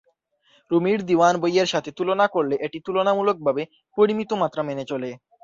রুমির "দিওয়ান" বইয়ের সাথে তুলনা করলে এটি তুলনামূলকভাবে পরিমিত মাত্রা মেনে চলে।